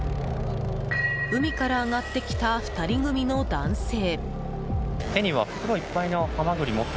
海から上がってきた２人組の男性。